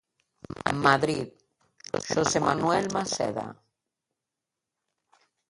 Madrid, Xosé Manuel Maseda.